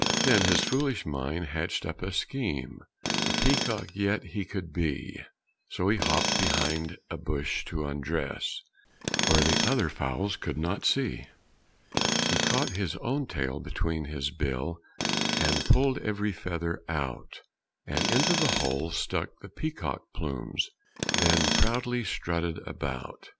Then his foolish mind hatched up a scheme A peacock yet he could be; So he hopped behind a bush to undress Where the other fowls could not see. He caught his own tail between his bill, And pulled every feather out; And into the holes stuck the peacock plumes; Then proudly strutted about.